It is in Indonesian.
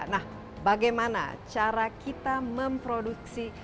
nah bagaimana cara kita memproduksi